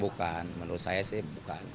bukan menurut saya sih bukan